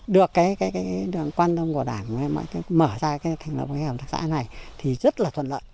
được quan tâm của đảng mở ra thành lập hợp tác xã này thì rất là thuận lợi